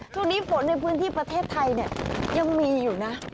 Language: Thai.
ช่วงนี้ฝนในพื้นที่ประเทศไทยเนี่ยยังมีอยู่นะ